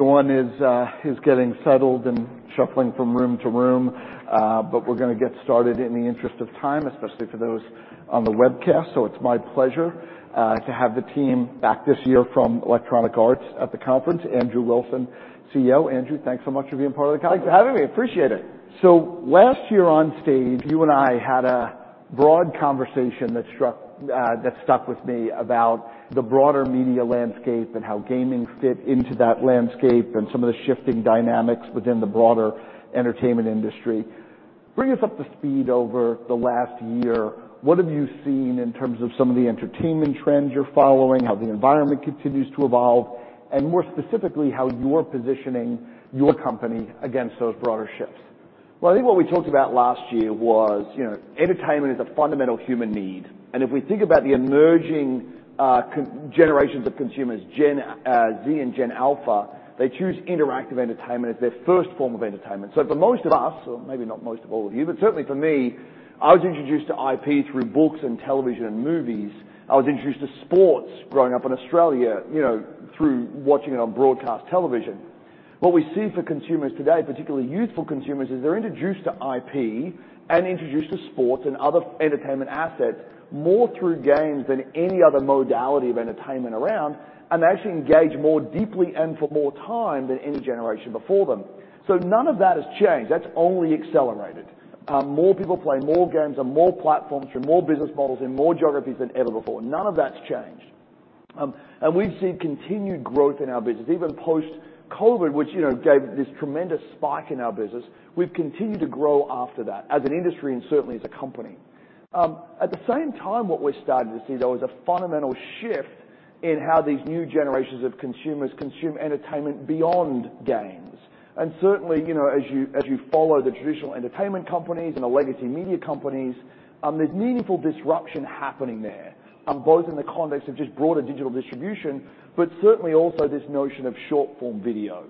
Everyone is getting settled and shuffling from room to room, but we're gonna get started in the interest of time, especially for those on the webcast. It's my pleasure to have the team back this year from Electronic Arts at the conference, Andrew Wilson, CEO. Andrew, thanks so much for being part of the conference. Thanks for having me. Appreciate it. So last year on stage, you and I had a broad conversation that struck, that stuck with me about the broader media landscape and how gaming fit into that landscape, and some of the shifting dynamics within the broader entertainment industry. Bring us up to speed over the last year, what have you seen in terms of some of the entertainment trends you're following, how the environment continues to evolve, and more specifically, how you're positioning your company against those broader shifts? Well, I think what we talked about last year was, you know, entertainment is a fundamental human need, and if we think about the emerging generations of consumers, Gen Z and Gen Alpha, they choose interactive entertainment as their first form of entertainment. So for most of us, or maybe not most of all of you, but certainly for me, I was introduced to IP through books and television and movies. I was introduced to sports growing up in Australia, you know, through watching it on broadcast television. What we see for consumers today, particularly youthful consumers, is they're introduced to IP and introduced to sports and other entertainment assets more through games than any other modality of entertainment around, and they actually engage more deeply and for more time than any generation before them. So none of that has changed. That's only accelerated. More people play more games on more platforms, from more business models in more geographies than ever before. None of that's changed. We've seen continued growth in our business, even post-COVID, which, you know, gave this tremendous spike in our business. We've continued to grow after that, as an industry and certainly as a company. At the same time, what we're starting to see, though, is a fundamental shift in how these new generations of consumers consume entertainment beyond games. Certainly, you know, as you, as you follow the traditional entertainment companies and the legacy media companies, there's meaningful disruption happening there, both in the context of just broader digital distribution, but certainly also this notion of short-form video.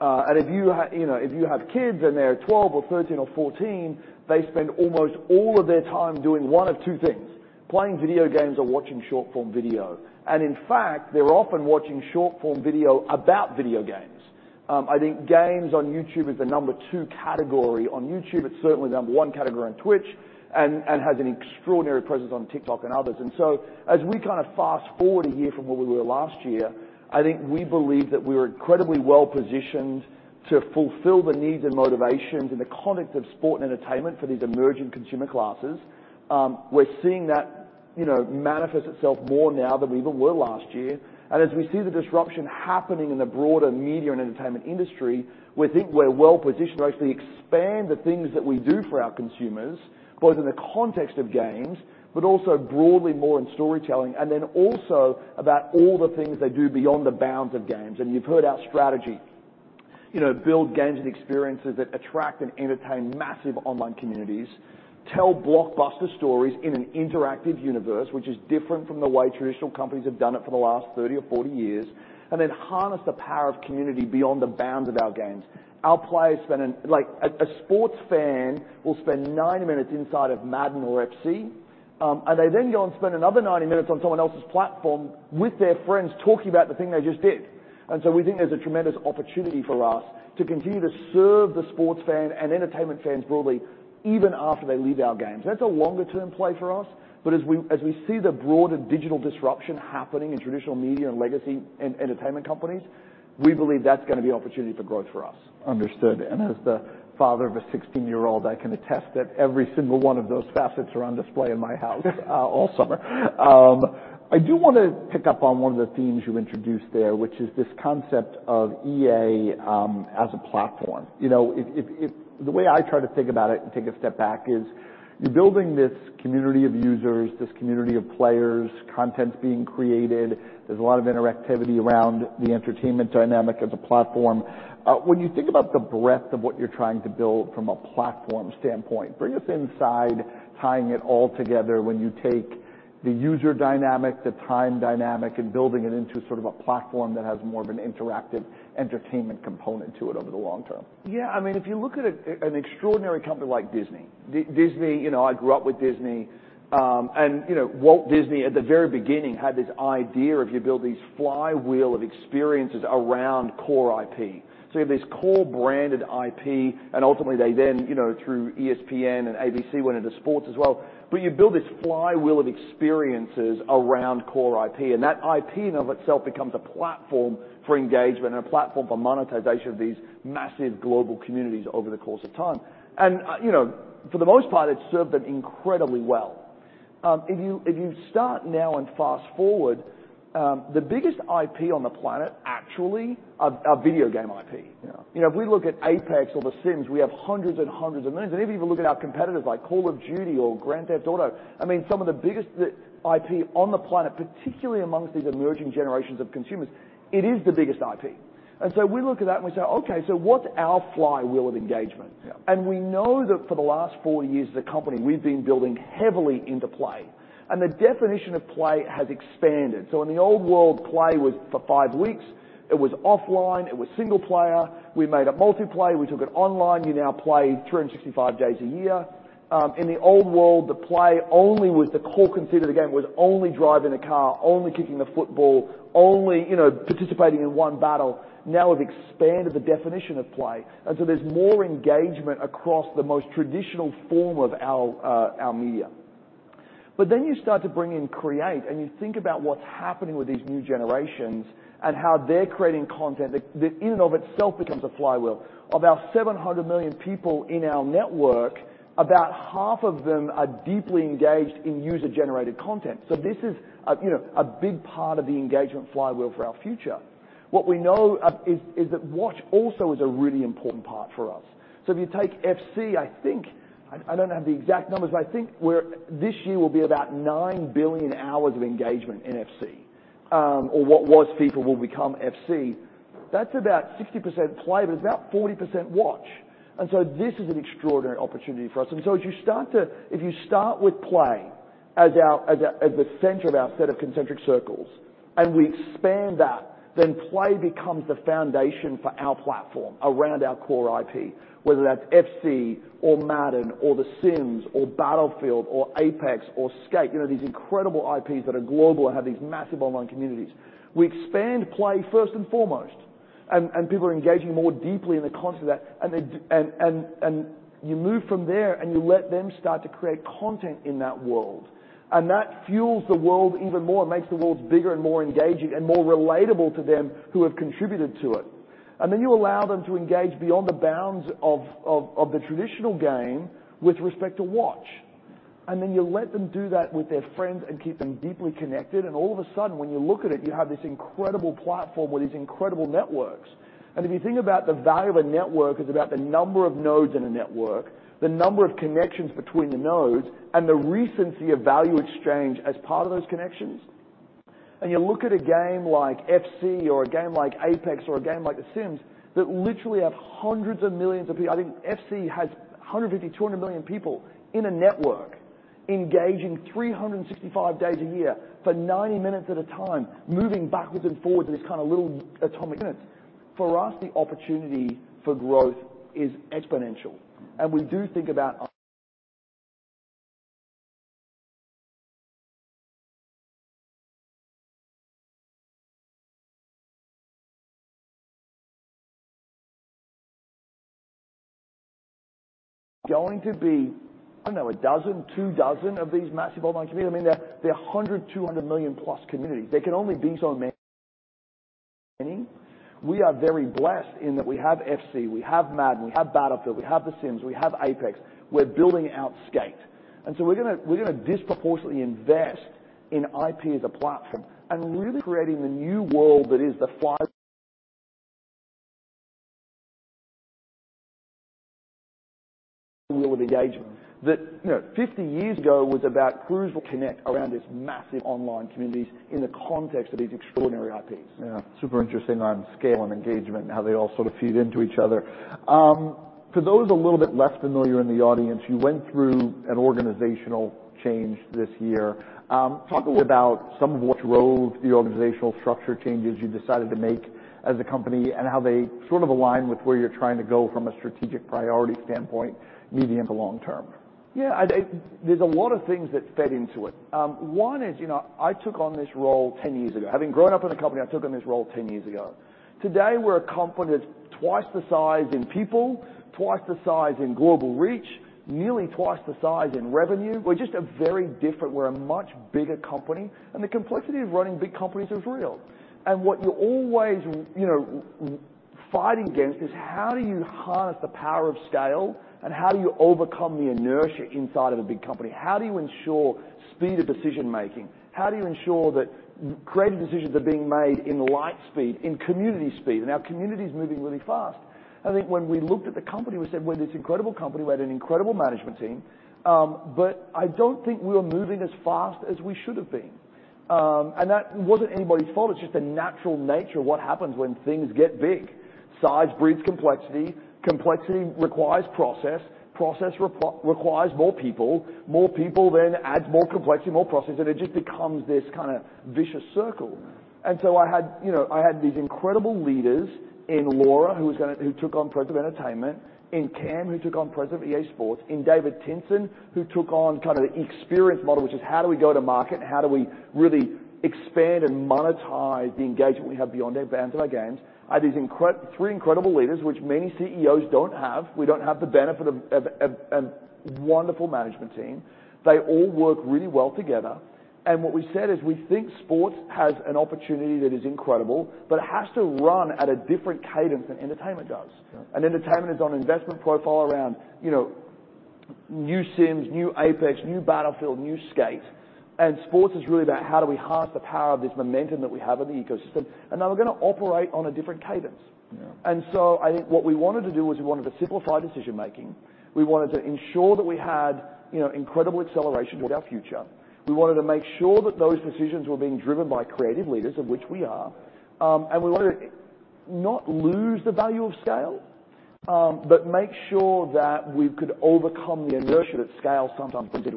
If you, you know, if you have kids and they're 12 or 13 or 14, they spend almost all of their time doing one of two things, playing video games or watching short-form video. In fact, they're often watching short-form video about video games. I think games on YouTube is the number two category on YouTube. It's certainly the number one category on Twitch, and has an extraordinary presence on TikTok and others. And so, as we kind of fast-forward a year from where we were last year, I think we believe that we're incredibly well-positioned to fulfill the needs and motivations in the context of sport and entertainment for these emerging consumer classes. We're seeing that, you know, manifest itself more now than we even were last year. As we see the disruption happening in the broader media and entertainment industry, we think we're well-positioned to actually expand the things that we do for our consumers, both in the context of games, but also broadly more in storytelling, and then also about all the things they do beyond the bounds of games. You've heard our strategy. You know, build games and experiences that attract and entertain massive online communities. Tell blockbuster stories in an interactive universe, which is different from the way traditional companies have done it for the last 30 or 40 years, and then harness the power of community beyond the bounds of our games. Our players spend like a sports fan will spend 90 minutes inside of Madden or FC, and they then go and spend another 90 minutes on someone else's platform with their friends, talking about the thing they just did. So we think there's a tremendous opportunity for us to continue to serve the sports fan and entertainment fans broadly, even after they leave our games. That's a longer-term play for us, but as we see the broader digital disruption happening in traditional media and legacy and entertainment companies, we believe that's gonna be an opportunity for growth for us. Understood. And as the father of a 16-year-old, I can attest that every single one of those facets are on display in my house all summer. I do wanna pick up on one of the themes you introduced there, which is this concept of EA as a platform. You know, the way I try to think about it and take a step back is, you're building this community of users, this community of players, content's being created, there's a lot of interactivity around the entertainment dynamic as a platform. When you think about the breadth of what you're trying to build from a platform standpoint, bring us inside, tying it all together when you take the user dynamic, the time dynamic, and building it into sort of a platform that has more of an interactive entertainment component to it over the long term. Yeah, I mean, if you look at an extraordinary company like Disney. Disney, you know, I grew up with Disney. And, you know, Walt Disney, at the very beginning, had this idea, if you build these flywheel of experiences around core IP. So you have this core branded IP, and ultimately, they then, you know, through ESPN and ABC, went into sports as well. But you build this flywheel of experiences around core IP, and that IP, in and of itself, becomes a platform for engagement and a platform for monetization of these massive global communities over the course of time. And, you know, for the most part, it's served them incredibly well. If you start now and fast-forward, the biggest IP on the planet, actually, are video game IP. Yeah. You know, if we look at Apex or The Sims, we have hundreds and hundreds of millions. And even if you look at our competitors, like Call of Duty or Grand Theft Auto, I mean, some of the biggest IP on the planet, particularly amongst these emerging generations of consumers, it is the biggest IP. And so we look at that and we say, "Okay, so what's our flywheel of engagement?" Yeah. We know that for the last 40 years as a company, we've been building heavily into play. And the definition of play has expanded. So in the old world, play was for five weeks. It was offline, it was single player. We made it multi-player, we took it online, you now play 365 days a year. In the old world, the play only was the core conceit of the game, was only driving a car, only kicking the football, only, you know, participating in one battle. Now we've expanded the definition of play, and so there's more engagement across the most traditional form of our, our media. But then you start to bring in create, and you think about what's happening with these new generations and how they're creating content that, that in and of itself becomes a flywheel. Of our 700 million people in our network, about half of them are deeply engaged in user-generated content. So this is a, you know, a big part of the engagement flywheel for our future. What we know is that watch also is a really important part for us. So if you take FC, I think I don't have the exact numbers, but I think we're this year will be about 9 billion hours of engagement in FC, or what was people will become FC. That's about 60% play, but it's about 40% watch, and so this is an extraordinary opportunity for us. And so if you start with play as the center of our set of concentric circles, and we expand that, then play becomes the foundation for our platform around our core IP, whether that's FC or Madden or The Sims or Battlefield or Apex or Skate. You know, these incredible IPs that are global and have these massive online communities. We expand play first and foremost, and you move from there, and you let them start to create content in that world. That fuels the world even more and makes the world bigger and more engaging and more relatable to them who have contributed to it. And then you allow them to engage beyond the bounds of the traditional game with respect to watch. And then you let them do that with their friends and keep them deeply connected, and all of a sudden, when you look at it, you have this incredible platform with these incredible networks. And if you think about the value of a network, is about the number of nodes in a network, the number of connections between the nodes, and the recency of value exchange as part of those connections. And you look at a game like FC or a game like Apex or a game like The Sims, that literally have hundreds of millions of people. I think FC has 150 million-200 million people in a network, engaging 365 days a year for 90 minutes at a time, moving backwards and forwards in this kind of little atomic unit. For us, the opportunity for growth is exponential, and we do think about... There's going to be, I don't know, a dozen, two dozen of these massive online communities. I mean, they're, they're 100 million-200 million-plus communities. They can only be so many. We are very blessed in that we have FC, we have Madden, we have Battlefield, we have The Sims, we have Apex. We're building out Skate. And so we're gonna, we're gonna disproportionately invest in IP as a platform and really creating the new world that is the flywheel of engagement. That, you know, 50 years ago was about who's connected around these massive online communities in the context of these extraordinary IPs. Yeah, super interesting on scale and engagement and how they all sort of feed into each other. For those a little bit less familiar in the audience, you went through an organizational change this year. Talk a bit about some of what roles, the organizational structure changes you decided to make as a company and how they sort of align with where you're trying to go from a strategic priority standpoint, medium to long term? Yeah, there's a lot of things that fed into it. One is, you know, I took on this role 10 years ago. Having grown up in the company, I took on this role 10 years ago. Today, we're a company that's twice the size in people, twice the size in global reach, nearly twice the size in revenue. We're just a very different... We're a much bigger company, and the complexity of running big companies is real. And what you're always, you know, fighting against is how do you harness the power of scale, and how do you overcome the inertia inside of a big company? How do you ensure speed of decision-making? How do you ensure that great decisions are being made in light speed, in community speed? And our community is moving really fast. I think when we looked at the company, we said, well, this incredible company, we had an incredible management team, but I don't think we were moving as fast as we should have been. That wasn't anybody's fault, it's just the natural nature of what happens when things get big. Size breeds complexity, complexity requires process, process requires more people, more people then adds more complexity, more process, and it just becomes this kinda vicious circle. So I had, you know, I had these incredible leaders in Laura, who was gonna, who took on President of Entertainment, in Cam, who took on President of EA Sports, in David Tinson, who took on kind of the experience model, which is how do we go to market, and how do we really expand and monetize the engagement we have beyond the advance of our games? I had three incredible leaders, which many CEOs don't have. We don't have the benefit of a wonderful management team. They all work really well together. What we said is, we think sports has an opportunity that is incredible, but it has to run at a different cadence than entertainment does. Yeah. Entertainment is on an investment profile around, you know, new Sims, new Apex, new Battlefield, new Skate. Sports is really about how do we harness the power of this momentum that we have in the ecosystem, and how we're gonna operate on a different cadence. Yeah. I think what we wanted to do was we wanted to simplify decision-making. We wanted to ensure that we had, you know, incredible acceleration with our future. We wanted to make sure that those decisions were being driven by creative leaders, of which we are, and we wanted to not lose the value of scale, but make sure that we could overcome the inertia that scale sometimes can do to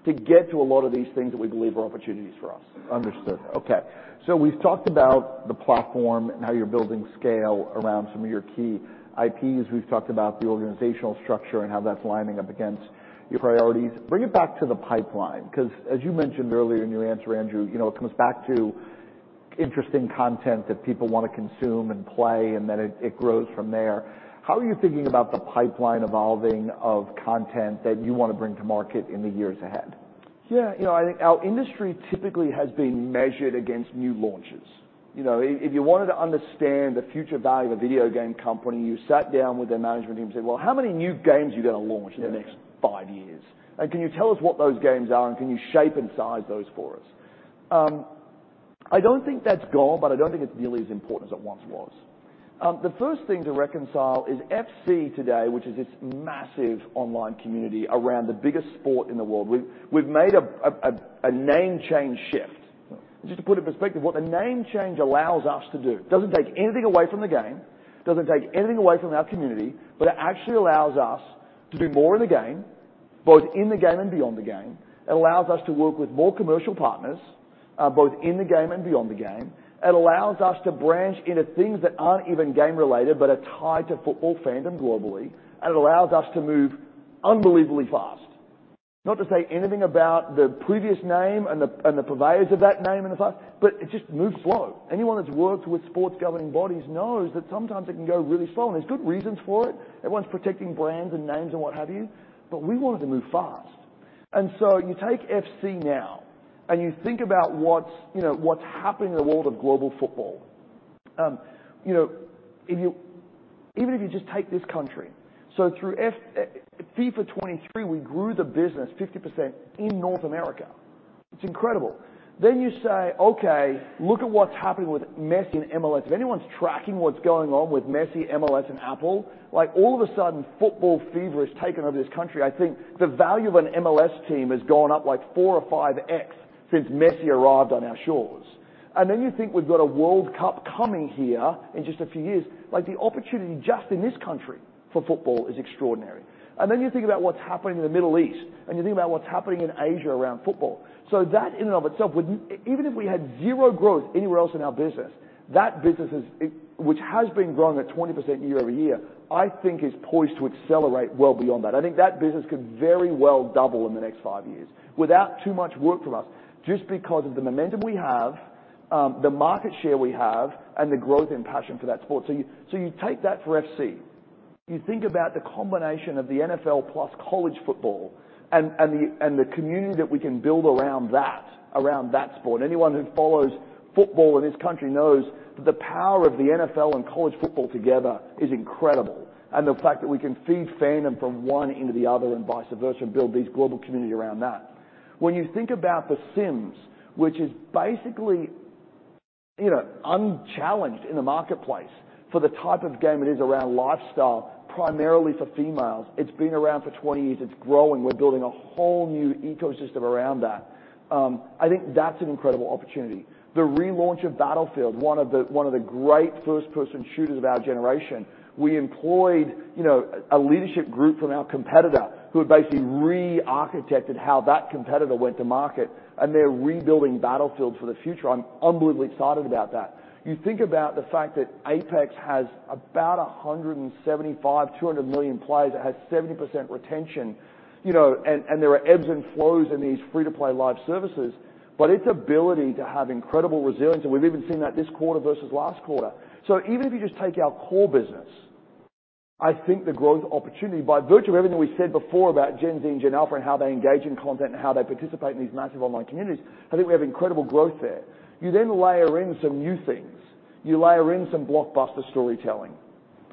an organization to get to a lot of these things that we believe are opportunities for us. Understood. Okay. So we've talked about the platform and how you're building scale around some of your key IPs. We've talked about the organizational structure and how that's lining up against your priorities. Bring it back to the pipeline, 'cause as you mentioned earlier in your answer, Andrew, you know, it comes back to interesting content that people want to consume and play, and then it, it grows from there. How are you thinking about the pipeline evolving of content that you want to bring to market in the years ahead? Yeah, you know, I think our industry typically has been measured against new launches. You know, if you wanted to understand the future value of a video game company, you sat down with their management team and said, "Well, how many new games are you going to launch in the next five years? And can you tell us what those games are, and can you shape and size those for us?" I don't think that's gone, but I don't think it's nearly as important as it once was. The first thing to reconcile is FC today, which is this massive online community around the biggest sport in the world. We've made a name change shift. Just to put it in perspective, what the name change allows us to do, it doesn't take anything away from the game, doesn't take anything away from our community, but it actually allows us to do more in the game, both in the game and beyond the game. It allows us to work with more commercial partners, both in the game and beyond the game. It allows us to branch into things that aren't even game-related, but are tied to football fandom globally, and it allows us to move unbelievably fast. Not to say anything about the previous name and the purveyors of that name in the past, but it just moved slow. Anyone that's worked with sports governing bodies knows that sometimes it can go really slow, and there's good reasons for it. Everyone's protecting brands and names and what have you, but we wanted to move fast. And so you take FC now, and you think about what's, you know, what's happening in the world of global football. You know, even if you just take this country, so through FIFA 23, we grew the business 50% in North America. It's incredible. Then you say, okay, look at what's happening with Messi and MLS. If anyone's tracking what's going on with Messi, MLS, and Apple, like, all of a sudden, football fever has taken over this country. I think the value of an MLS team has gone up, like, 4 or 5x since Messi arrived on our shores. And then you think we've got a World Cup coming here in just a few years. Like, the opportunity just in this country for football is extraordinary. Then you think about what's happening in the Middle East, and you think about what's happening in Asia around football. So that, in and of itself, would... Even if we had zero growth anywhere else in our business, that business is, it, which has been growing at 20% year-over-year, I think is poised to accelerate well beyond that. I think that business could very well double in the next five years without too much work from us, just because of the momentum we have, the market share we have, and the growth and passion for that sport. So you take that for FC. You think about the combination of the NFL plus college football and the community that we can build around that sport. Anyone who follows football in this country knows that the power of the NFL and college football together is incredible, and the fact that we can feed fandom from one into the other and vice versa, build this global community around that. When you think about The Sims, which is basically, you know, unchallenged in the marketplace for the type of game it is around lifestyle, primarily for females, it's been around for 20 years. It's growing. We're building a whole new ecosystem around that. I think that's an incredible opportunity. The relaunch of Battlefield, one of the, one of the great first-person shooters of our generation, we employed, you know, a leadership group from our competitor who had basically re-architected how that competitor went to market, and they're rebuilding Battlefield for the future. I'm unbelievably excited about that. You think about the fact that Apex has about 175 million-200 million players. It has 70% retention, you know, and there are ebbs and flows in these free-to-play live services, but its ability to have incredible resilience, and we've even seen that this quarter versus last quarter. So even if you just take our core business, I think the growth opportunity, by virtue of everything we said before about Gen Z and Gen Alpha and how they engage in content and how they participate in these massive online communities, I think we have incredible growth there. You then layer in some new things. You layer in some blockbuster storytelling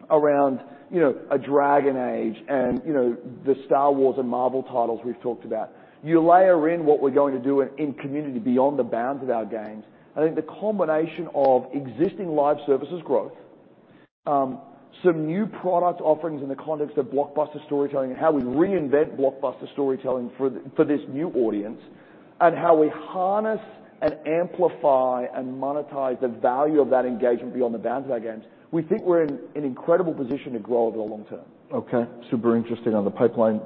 around, you know, a Dragon Age and, you know, the Star Wars and Marvel titles we've talked about. You layer in what we're going to do in community beyond the bounds of our games. I think the combination of existing Live Services growth, some new product offerings in the context of blockbuster storytelling and how we reinvent blockbuster storytelling for this new audience, and how we harness and amplify and monetize the value of that engagement beyond the bounds of our games. We think we're in an incredible position to grow over the long term. Okay, super interesting on the pipeline.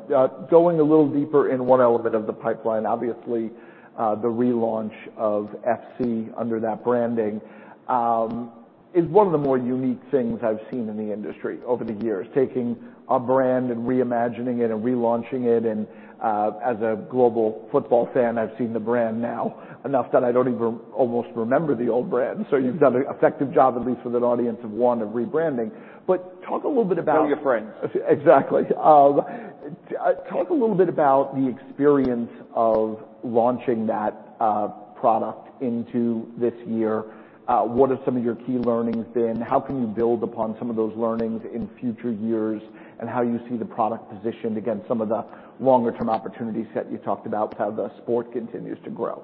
Going a little deeper in one element of the pipeline, obviously, the relaunch of FC under that branding, is one of the more unique things I've seen in the industry over the years, taking a brand and reimagining it and relaunching it. And, as a global football fan, I've seen the brand now, enough that I don't even almost remember the old brand. So you've done an effective job, at least with an audience of one, of rebranding. But talk a little bit about- Tell your friends. Exactly. Talk a little bit about the experience of launching that product into this year. What have some of your key learnings been? How can you build upon some of those learnings in future years, and how you see the product positioned against some of the longer-term opportunities that you talked about, how the sport continues to grow?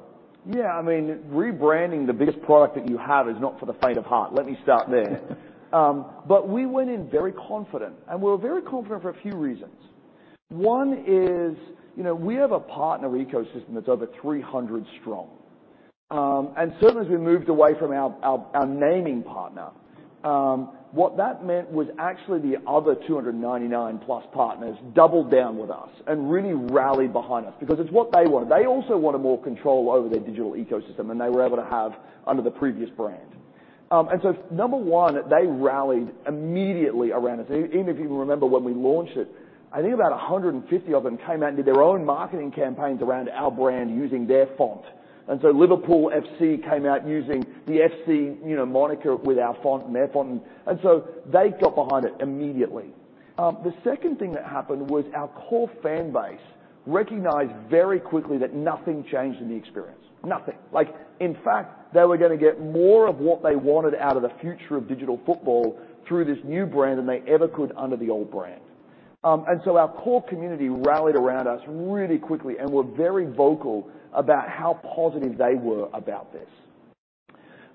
Yeah, I mean, rebranding the biggest product that you have is not for the faint of heart. Let me start there. But we went in very confident, and we were very confident for a few reasons. One is, you know, we have a partner ecosystem that's over 300 strong. And so as we moved away from our naming partner, what that meant was actually the other 299+ partners doubled down with us and really rallied behind us because it's what they wanted. They also wanted more control over their digital ecosystem than they were able to have under the previous brand. And so number one, they rallied immediately around us. Even if you remember when we launched it, I think about 150 of them came out and did their own marketing campaigns around our brand, using their font. And so Liverpool FC came out using the FC, you know, moniker with our font and their font, and so they got behind it immediately. The second thing that happened was our core fan base recognized very quickly that nothing changed in the experience. Nothing. Like, in fact, they were gonna get more of what they wanted out of the future of digital football through this new brand than they ever could under the old brand. And so our core community rallied around us really quickly and were very vocal about how positive they were about this.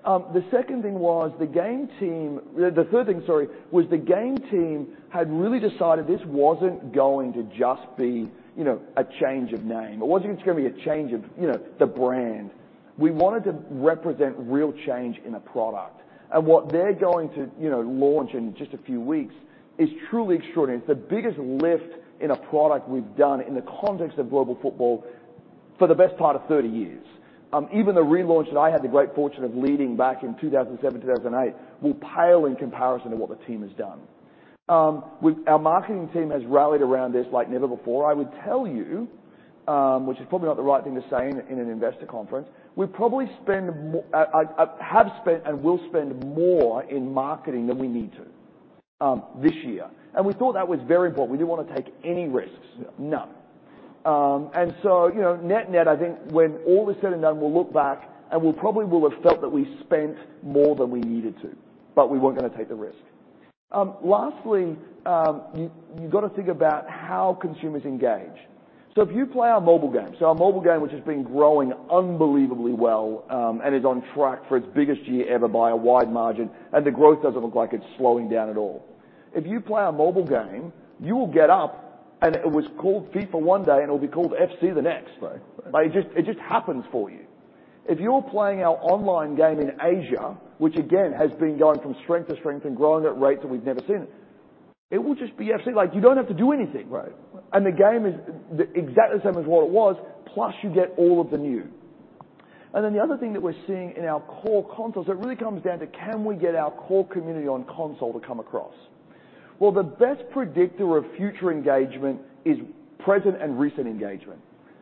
The second thing was the game team—the third thing, sorry, was the game team had really decided this wasn't going to just be, you know, a change of name. It wasn't just gonna be a change of, you know, the brand. We wanted to represent real change in a product. And what they're going to, you know, launch in just a few weeks is truly extraordinary. It's the biggest lift in a product we've done in the context of global football for the best part of 30 years. Even the relaunch that I had the great fortune of leading back in 2007, 2008, will pale in comparison to what the team has done. Our marketing team has rallied around this like never before. I would tell you, which is probably not the right thing to say in an investor conference, we probably have spent and will spend more in marketing than we need to, this year. We thought that was very important. We didn't want to take any risks. None. So, you know, net-net, I think when all is said and done, we'll look back, and we probably will have felt that we spent more than we needed to, but we weren't gonna take the risk. Lastly, you've got to think about how consumers engage. So if you play our mobile game, so our mobile game, which has been growing unbelievably well, and is on track for its biggest year ever by a wide margin, and the growth doesn't look like it's slowing down at all. If you play our mobile game, you will get up, and it was called FIFA one day, and it'll be called FC the next. Right. Like, it just happens for you. If you're playing our online game in Asia, which again, has been going from strength to strength and growing at rates that we've never seen, it will just be FC. Like, you don't have to do anything. Right. The game is exactly the same as what it was, plus you get all of the new. Then the other thing that we're seeing in our core consoles, it really comes down to can we get our core community on console to come across? Well, the best predictor of future engagement is present and recent engagement.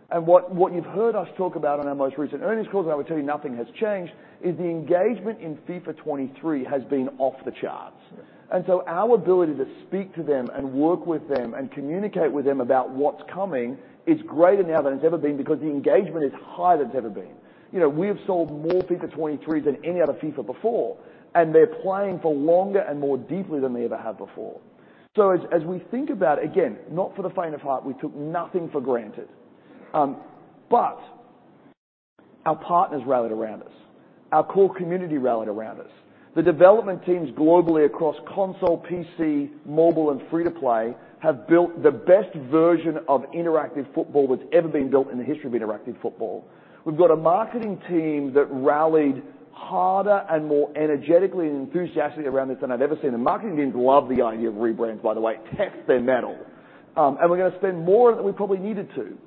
And what, what you've heard us talk about on our most recent earnings call, and I would tell you nothing has changed, is the engagement in FIFA 23 has been off the charts. Yes. And so our ability to speak to them and work with them and communicate with them about what's coming is greater now than it's ever been, because the engagement is higher than it's ever been. You know, we have sold more FIFA 23 than any other FIFA before, and they're playing for longer and more deeply than they ever have before. So as we think about, again, not for the faint of heart, we took nothing for granted. But our partners rallied around us. Our core community rallied around us. The development teams globally across console, PC, mobile, and free-to-play, have built the best version of interactive football that's ever been built in the history of interactive football. We've got a marketing team that rallied harder and more energetically and enthusiastically around this than I've ever seen. The marketing teams love the idea of rebrands, by the way. It tests their mettle. We're gonna spend more than we probably needed to.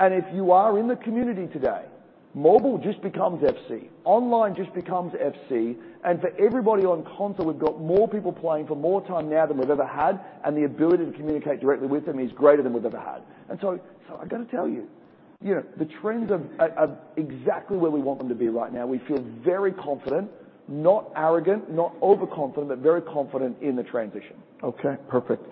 If you are in the community today, mobile just becomes FC, online just becomes FC, and for everybody on console, we've got more people playing for more time now than we've ever had, and the ability to communicate directly with them is greater than we've ever had. So, I got to tell you, you know, the trends are exactly where we want them to be right now. We feel very confident, not arrogant, not overconfident, but very confident in the transition. Okay, perfect.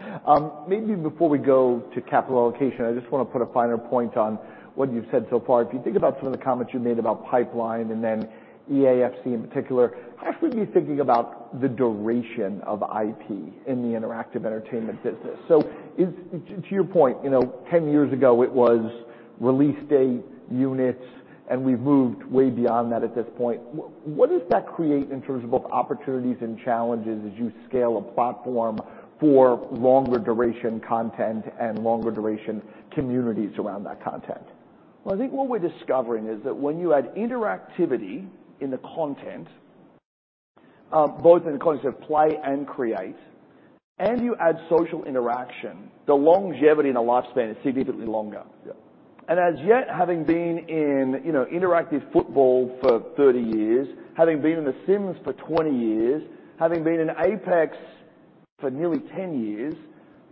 Maybe before we go to capital allocation, I just want to put a finer point on what you've said so far. If you think about some of the comments you made about Pipeline and then EA FC in particular, how should we be thinking about the duration of IP in the interactive entertainment business? So, to your point, you know, 10 years ago, it was release date, units, and we've moved way beyond that at this point. What does that create in terms of both opportunities and challenges as you scale a platform for longer duration content and longer duration communities around that content? Well, I think what we're discovering is that when you add interactivity in the content, both in the context of play and create, and you add social interaction, the longevity and the lifespan is significantly longer. Yeah. As yet, having been in, you know, interactive football for 30 years, having been in The Sims for 20 years, having been in Apex for nearly 10 years,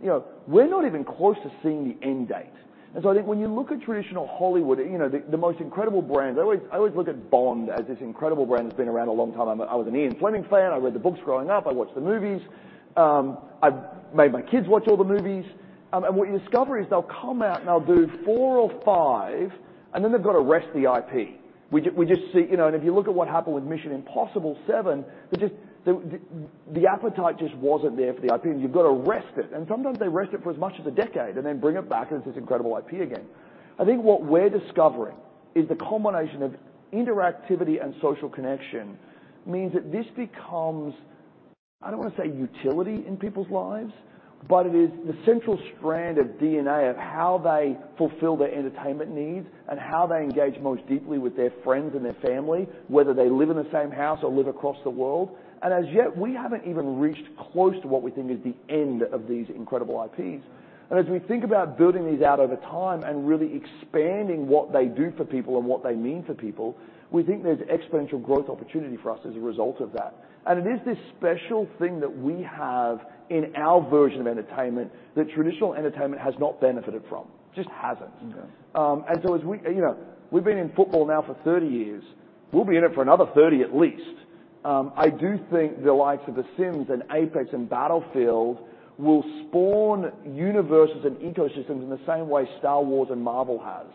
you know, we're not even close to seeing the end date. And so I think when you look at traditional Hollywood, you know, the most incredible brands, I always, I always look at Bond as this incredible brand that's been around a long time. I'm a, I was an Ian Fleming fan. I read the books growing up. I watched the movies. I've made my kids watch all the movies. And what you discover is they'll come out and they'll do four or five, and then they've got to rest the IP. We just, we just see... You know, and if you look at what happened with Mission: Impossible 7, they just, the appetite just wasn't there for the IP, and you've got to rest it. And sometimes they rest it for as much as a decade and then bring it back as this incredible IP again. I think what we're discovering is the combination of interactivity and social connection means that this becomes... I don't want to say utility in people's lives, but it is the central strand of DNA of how they fulfill their entertainment needs and how they engage most deeply with their friends and their family, whether they live in the same house or live across the world. And as yet, we haven't even reached close to what we think is the end of these incredible IPs. As we think about building these out over time and really expanding what they do for people and what they mean for people, we think there's exponential growth opportunity for us as a result of that. It is this special thing that we have in our version of entertainment that traditional entertainment has not benefited from. Just hasn't. Okay. And so as we, you know, we've been in football now for 30 years. We'll be in it for another 30, at least. I do think the likes of The Sims, and Apex, and Battlefield will spawn universes and ecosystems in the same way Star Wars and Marvel has.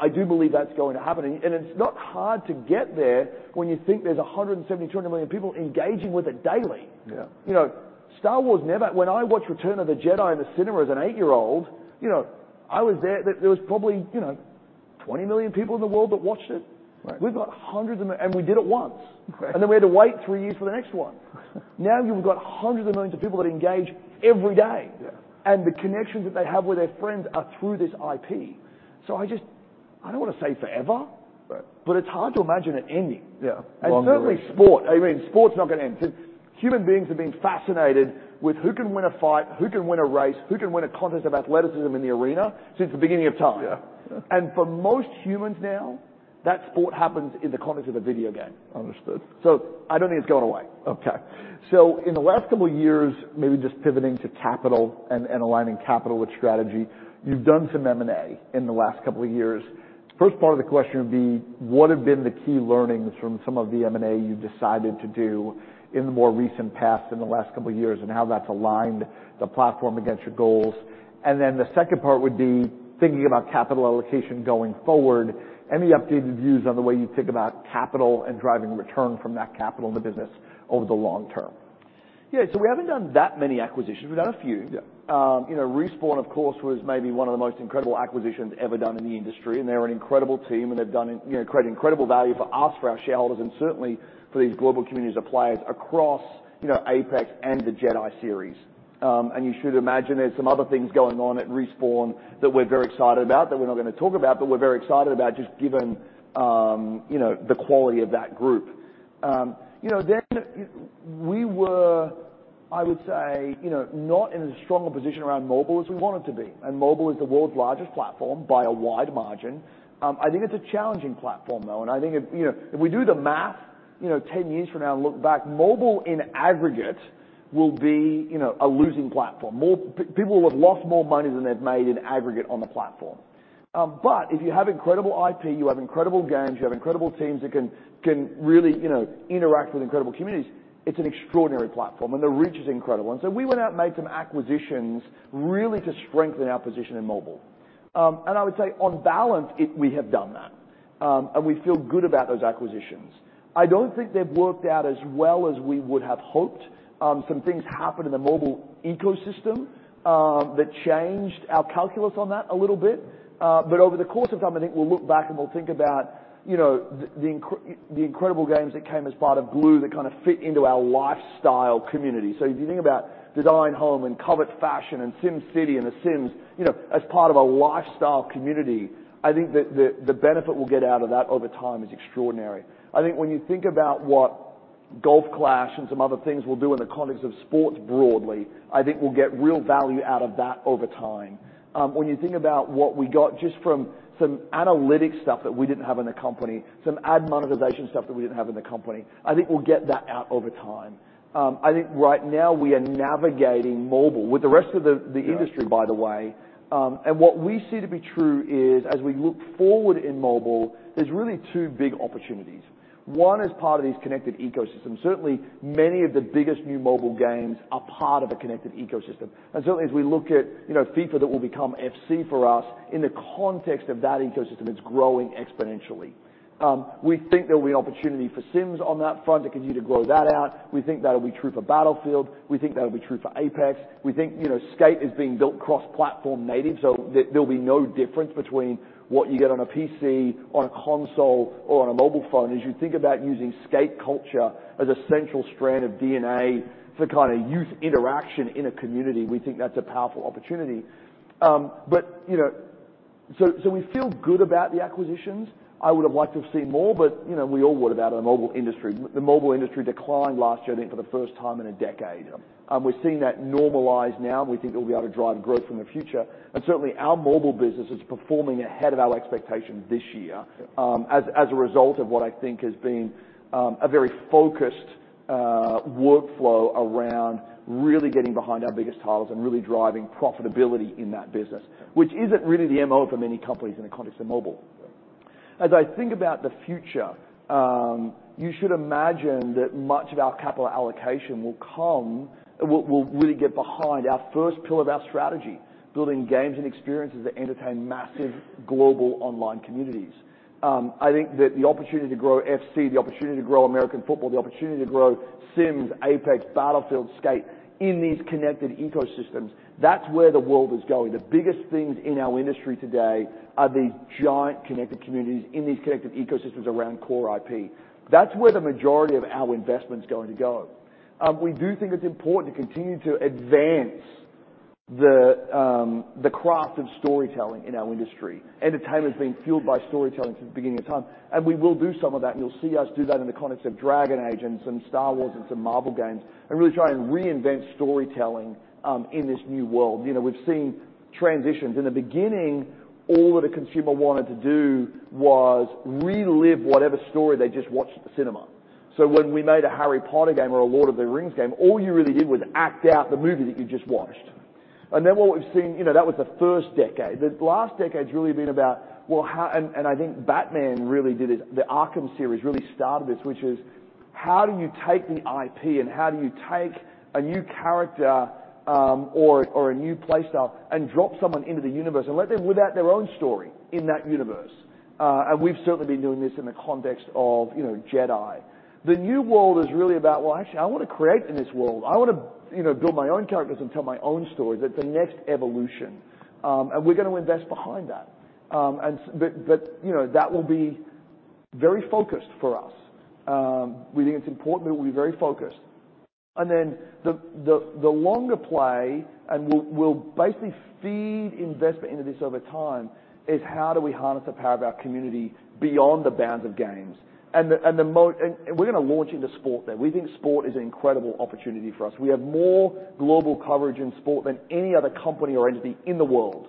I do believe that's going to happen, and it's not hard to get there when you think there's 170 million-200 million people engaging with it daily. Yeah. You know, when I watched Return of the Jedi in the cinema as an eight-year-old, you know, I was there, there was probably, you know, 20 million people in the world that watched it. Right. We've got hundreds of them, and we did it once. Right. Then we had to wait three years for the next one. Now, you've got hundreds of millions of people that engage every day. Yeah. And the connections that they have with their friends are through this IP. So I just... I don't want to say forever- Right. But it's hard to imagine it ending. Yeah. Certainly sport, I mean, sport's not going to end. Human beings have been fascinated with who can win a fight, who can win a race, who can win a contest of athleticism in the arena, since the beginning of time. Yeah. And for most humans now, that sport happens in the context of a video game. Understood. I don't think it's going away. Okay. So in the last couple of years, maybe just pivoting to capital and aligning capital with strategy, you've done some M&A in the last couple of years. First part of the question would be: What have been the key learnings from some of the M&A you've decided to do in the more recent past, in the last couple of years, and how that's aligned the platform against your goals? And then the second part would be thinking about capital allocation going forward, any updated views on the way you think about capital and driving return from that capital in the business over the long term? Yeah. So we haven't done that many acquisitions. We've done a few. Yeah. You know, Respawn, of course, was maybe one of the most incredible acquisitions ever done in the industry, and they're an incredible team, and they've done, you know, created incredible value for us, for our shareholders, and certainly for these global communities of players across, you know, Apex and the Jedi series. And you should imagine there's some other things going on at Respawn that we're very excited about, that we're not going to talk about, but we're very excited about just given, you know, the quality of that group. You know, then we were, I would say, you know, not in as strong a position around mobile as we wanted to be, and mobile is the world's largest platform by a wide margin. I think it's a challenging platform, though, and I think if, you know, if we do the math, you know, 10 years from now and look back, mobile in aggregate will be, you know, a losing platform. More people will have lost more money than they've made in aggregate on the platform. But if you have incredible IP, you have incredible games, you have incredible teams that can really, you know, interact with incredible communities, it's an extraordinary platform, and the reach is incredible. And so we went out and made some acquisitions, really to strengthen our position in mobile. And I would say, on balance, it, we have done that, and we feel good about those acquisitions. I don't think they've worked out as well as we would have hoped. Some things happened in the mobile ecosystem that changed our calculus on that a little bit. But over the course of time, I think we'll look back, and we'll think about, you know, the incredible games that came as part of Glu that kind of fit into our lifestyle community. So if you think about Design Home, and Covet Fashion, and SimCity, and The Sims, you know, as part of a lifestyle community, I think that the benefit we'll get out of that over time is extraordinary. I think when you think about what Golf Clash and some other things will do in the context of sports broadly, I think we'll get real value out of that over time. When you think about what we got just from some analytics stuff that we didn't have in the company, some ad monetization stuff that we didn't have in the company, I think we'll get that out over time. I think right now we are navigating mobile with the rest of the industry, by the way. And what we see to be true is, as we look forward in mobile, there's really two big opportunities. One is part of these connected ecosystems. Certainly, many of the biggest new mobile games are part of a connected ecosystem, and so as we look at, you know, FIFA, that will become FC for us, in the context of that ecosystem, it's growing exponentially. We think there will be an opportunity for Sims on that front to continue to grow that out. We think that'll be true for Battlefield. We think that'll be true for Apex. We think, you know, Skate is being built cross-platform native, so there'll be no difference between what you get on a PC, on a console, or on a mobile phone. As you think about using Skate culture as a central strand of DNA to kind of use interaction in a community, we think that's a powerful opportunity. But, you know... So we feel good about the acquisitions. I would have liked to have seen more, but, you know, we all would about the mobile industry. The mobile industry declined last year, I think, for the first time in a decade. We're seeing that normalize now, and we think it'll be able to drive growth in the future. Certainly, our mobile business is performing ahead of our expectations this year, as a result of what I think has been a very focused workflow around really getting behind our biggest titles and really driving profitability in that business, which isn't really the MO for many companies in the context of mobile. As I think about the future, you should imagine that much of our capital allocation will really get behind our first pillar of our strategy: building games and experiences that entertain massive global online communities. I think that the opportunity to grow FC, the opportunity to grow American football, the opportunity to grow Sims, Apex, Battlefield, Skate in these connected ecosystems, that's where the world is going. The biggest things in our industry today are these giant connected communities in these connected ecosystems around core IP. That's where the majority of our investment's going to go. We do think it's important to continue to advance the craft of storytelling in our industry. Entertainment has been fueled by storytelling since the beginning of time, and we will do some of that, and you'll see us do that in the context of Dragon Age and some Star Wars and some Marvel games, and really try and reinvent storytelling in this new world. You know, we've seen transitions. In the beginning, all that a consumer wanted to do was relive whatever story they just watched at the cinema. So when we made a Harry Potter game or a Lord of the Rings game, all you really did was act out the movie that you just watched. Then what we've seen, you know, that was the first decade. The last decade's really been about, well, how. And I think Batman really did it. The Arkham series really started this, which is how do you take the IP, and how do you take a new character, or a new play style and drop someone into the universe and let them without their own story in that universe? And we've certainly been doing this in the context of, you know, Jedi. The new world is really about, well, actually, I want to create in this world. I want to, you know, build my own characters and tell my own stories. That's the next evolution, and we're going to invest behind that. But, you know, that will be very focused for us. We think it's important that we be very focused. And then the longer play, and we'll basically feed investment into this over time, is how do we harness the power of our community beyond the bounds of games? And we're going to launch into sport there. We think sport is an incredible opportunity for us. We have more global coverage in sport than any other company or entity in the world.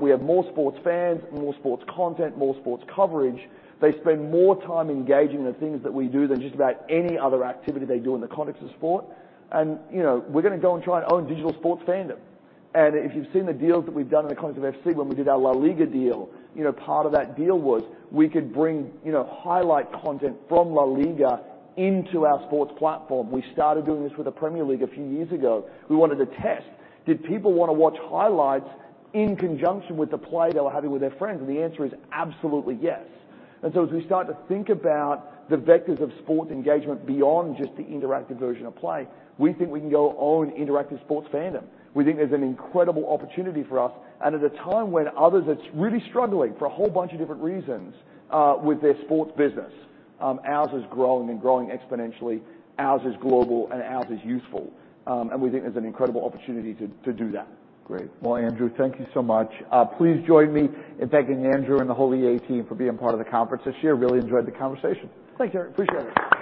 We have more sports fans, more sports content, more sports coverage. They spend more time engaging in the things that we do than just about any other activity they do in the context of sport. And, you know, we're going to go and try and own digital sports fandom. And if you've seen the deals that we've done in the context of FC, when we did our LaLiga deal, you know, part of that deal was we could bring, you know, highlight content from LaLiga into our sports platform. We started doing this with the Premier League a few years ago. We wanted to test, did people want to watch highlights in conjunction with the play they were having with their friends? And the answer is absolutely yes. And so as we start to think about the vectors of sports engagement beyond just the interactive version of play, we think we can go own interactive sports fandom. We think there's an incredible opportunity for us, and at a time when others are really struggling for a whole bunch of different reasons, with their sports business. Ours is growing and growing exponentially, ours is global, and ours is useful. We think there's an incredible opportunity to do that. Great. Well, Andrew, thank you so much. Please join me in thanking Andrew and the whole EA team for being part of the conference this year. Really enjoyed the conversation. Thank you, Eric. Appreciate it.